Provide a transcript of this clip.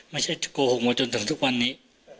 ไม่ใช่โกหกมาจนถึงทุกวันนี้